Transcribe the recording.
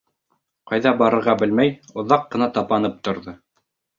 Ҡайҙа барырға белмәй, оҙаҡ ҡына тапанып торҙо.